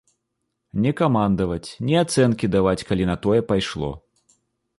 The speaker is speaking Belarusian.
Не камандаваць, не ацэнкі даваць, калі на тое пайшло.